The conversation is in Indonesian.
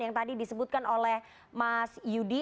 yang tadi disebutkan oleh mas yudi